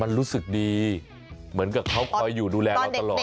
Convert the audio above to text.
มันรู้สึกดีเหมือนกับเขาคอยอยู่ดูแลเราตลอด